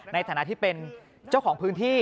ในฐานะที่เป็นเจ้าของพื้นที่